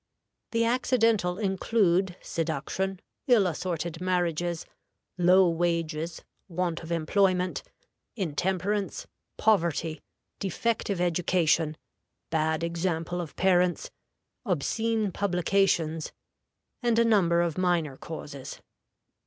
The accidental include seduction, ill assorted marriages, low wages, want of employment, intemperance, poverty, defective education, bad example of parents, obscene publications, and a number of minor causes.